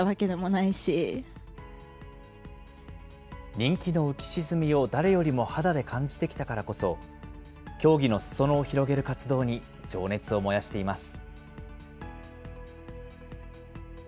人気の浮き沈みを誰よりも肌で感じてきたからこそ、競技のすそ野を広げる活動に情熱を燃やしています。